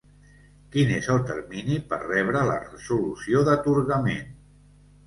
Quin és el termini per rebre la resolució d'atorgament?